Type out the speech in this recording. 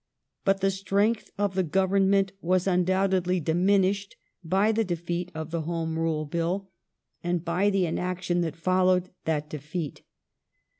But the strength of the Government was undoubtedly diminished by the defeat of the Home Rule Bill and by the inaction that followed that defeat.